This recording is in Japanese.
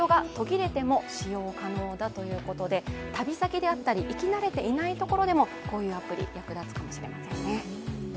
旅先であったり、行き慣れていないところでもこういうアプリ役立つかもしれませんね。